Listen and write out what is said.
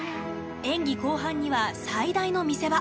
演技後半には最大の見せ場。